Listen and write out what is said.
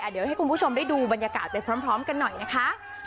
เดี๋ยวให้คุณผู้ชมได้ดูบรรยากาศไปพร้อมกันหน่อยนะคะ